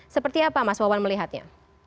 seperti apa mas wawan melihatnya